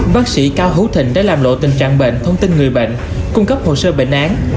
bác sĩ cao hữu thịnh đã làm lộ tình trạng bệnh thông tin người bệnh cung cấp hồ sơ bệnh án